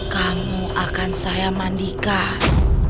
kamu akan saya mandikan